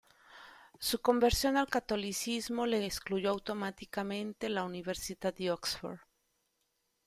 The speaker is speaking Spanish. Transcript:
Su conversión al catolicismo le excluyó automáticamente de la universidad de Oxford.